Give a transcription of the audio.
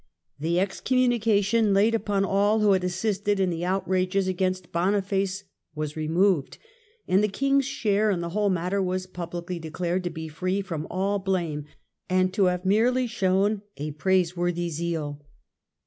The excommunica tion laid upon all who had assisted in the outrages against Boniface was removed, and the King's share in the whole matter was publicly declared to be free from all blame, and to have merely shown " a praiseworthy zeal